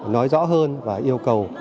nói rõ hơn và yêu cầu